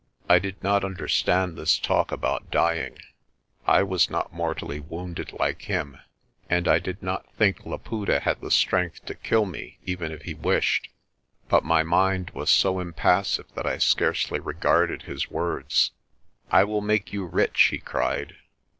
I did not understand this talk about dying. I was not mortally wounded like him, and I did not think Laputa had LAST SIGHT OF LAPUTA 239 the strength to kill me even if he wished. But my mind was so impassive that I scarcely regarded his words. "I will make you rich," he cried.